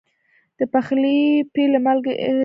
د پخلي پیل له مالګې سره کېږي.